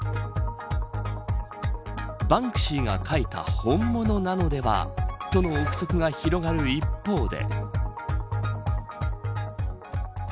バンクシーが描いた本物なのではとの臆測が広がる一方で。